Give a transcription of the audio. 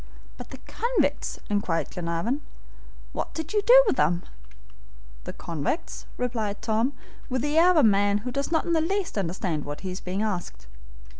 "But the convicts?" inquired Glenarvan. "What did you do with them?" "The convicts?" replied Tom, with the air of a man who does not in the least understand what he is being asked.